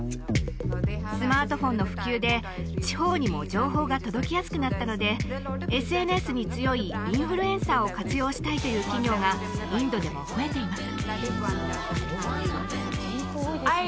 スマートフォンの普及で地方にも情報が届きやすくなったのでＳＮＳに強いインフルエンサーを活用したいという企業がインドでも増えています